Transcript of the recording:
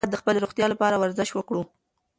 موږ باید د خپلې روغتیا لپاره ورزش وکړو.